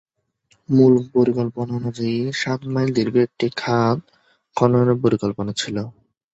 মূল পরিকল্পনা অনুযায়ী সাত মাইল দীর্ঘ একটি খাত খননের পরিকল্পনা ছিল।